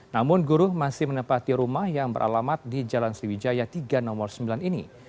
namun guru masih menempati rumah yang beralamat di jalan sriwijaya tiga nomor sembilan ini